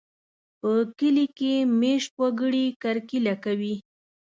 په کلي کې مېشت وګړي کرکېله کوي.